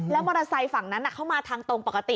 มอเตอร์ไซค์ฝั่งนั้นเข้ามาทางตรงปกติ